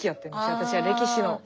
私は歴史の。